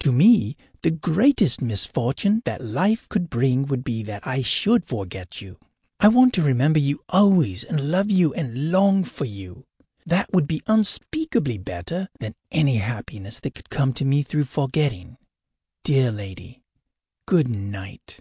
To me, the greatest misfortune that life could bring would be that I should forget you. I want to remember you always and love you and long for you. That would be unspeakably better than any happiness that could come to me through forgetting. Dear lady, good night.